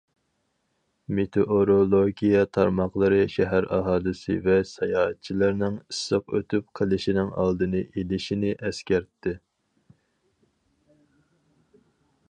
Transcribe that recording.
مېتېئورولوگىيە تارماقلىرى شەھەر ئاھالىسى ۋە ساياھەتچىلەرنىڭ ئىسسىق ئۆتۈپ قېلىشنىڭ ئالدىنى ئېلىشىنى ئەسكەرتتى.